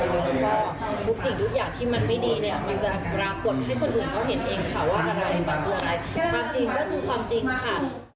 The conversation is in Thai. แล้วก็ทุกสิ่งทุกอย่างที่มันไม่ดีเนี่ยมันจะปรากฏให้คนอื่นเขาเห็นเองค่ะว่าอะไรบางรายความจริงก็คือความจริงค่ะ